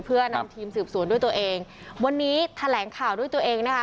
เพื่อนำทีมสืบสวนด้วยตัวเองวันนี้แถลงข่าวด้วยตัวเองนะคะ